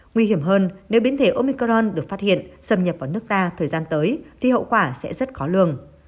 nguy hiểm hơn nếu biến thể omicron được phát hiện xâm nhập vào nước ta thời gian tới thì hậu quả sẽ rất khó lường